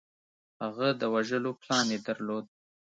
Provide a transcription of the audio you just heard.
هغه د وژلو پلان یې درلود